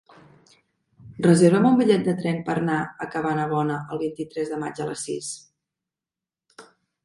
Reserva'm un bitllet de tren per anar a Cabanabona el vint-i-tres de maig a les sis.